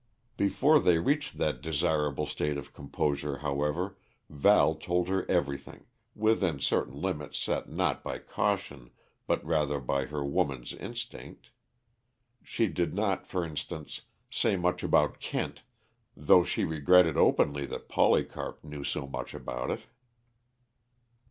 Before they reached that desirable state of composure, however, Val told her everything within certain limits set not by caution, but rather by her woman's instinct. She did not, for instance, say much about Kent, though she regretted openly that Polycarp knew so much about it.